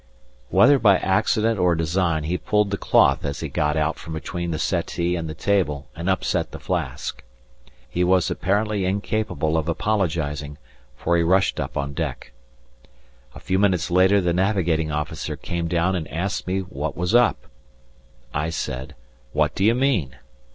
Whether by accident or design he pulled the cloth as he got out from between the settee and the table and upset the flask. He was apparently incapable of apologizing, for he rushed up on deck. A few minutes later the navigating officer came down and asked what was up? I said: "What do you mean?"